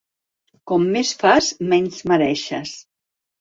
Com més fas, menys mereixes.